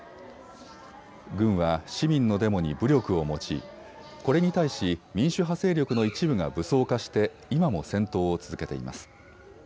軍は市民のデモに武力を用いこれに対し、民主派勢力の一部が武装化して今も戦闘を続けています。